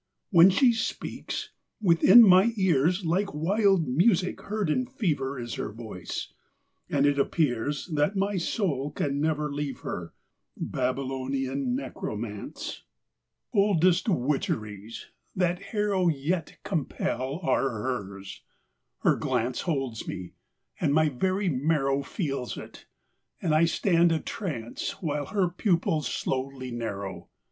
IV When she speaks, within my ears, Like wild music heard in fever Is her voice; and it appears That my soul can never leave her: Babylonian necromance, Oldest witcheries, that harrow Yet compel, are hers; her glance Holds me; and my very marrow Feels it; and I stand a trance, While her pupils slowly narrow.